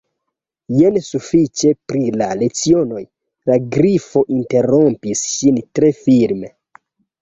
"Jen sufiĉe pri la lecionoj," la Grifo interrompis ŝin tre firme.